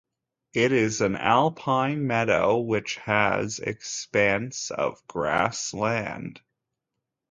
It is an alpine meadow which has expanse of grass land.